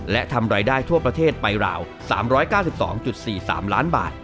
และทำรายได้ทั่วประเทศไปราว๓๙๒๔๓ล้านบาท